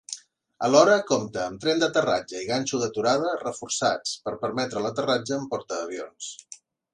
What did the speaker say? Alhora compta amb tren d'aterratge i ganxo d'aturada reforçats per permetre l'aterratge en portaavions.